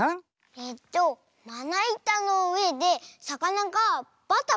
えっとまないたのうえでさかながバタバタはねてるおと？